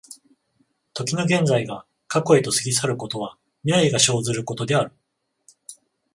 時の現在が過去へと過ぎ去ることは、未来が生ずることである。